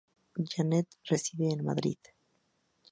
Jeanette reside en Madrid.